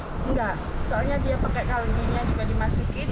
enggak soalnya dia pakai kaldunya juga dimasukin